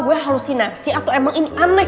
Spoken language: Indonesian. gue halusinasi atau emang ini aneh